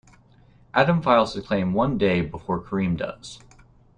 Adam files his claim one day before Kareem does.